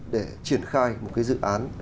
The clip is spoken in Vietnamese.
để triển khai một cái dự án